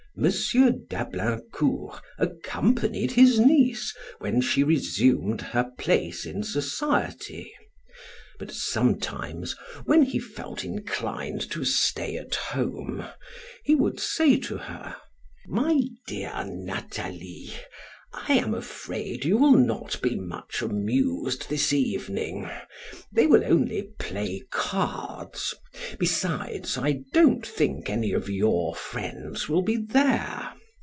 d'Ablaincourt accompanied his niece when she resumed her place in society; but sometimes, when he felt inclined to stay at home, he would say to her: "My dear Nathalie, I am afraid you will not be much amused this evening. They will only play cards; besides, I don't think any of your friends will be there.